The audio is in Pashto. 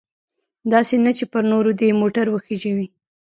داسې نه چې پر نورو دې موټر وخیژوي.